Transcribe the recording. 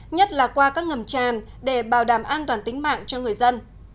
nhất là qua các ngầm tràn để bảo đảm an toàn tính mạng cho người dân